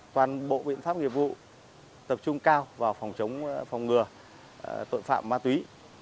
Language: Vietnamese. toàn bộ biện pháp nghiệp vụ tập trung cao vào phòng chống phòng ngừa tội phạm ma túy